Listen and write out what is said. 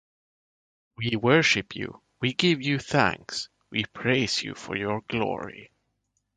we worship you, we give you thanks, we praise you for your glory.